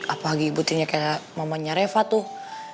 apalagi ibu tirinya kayak mamanya reva tuh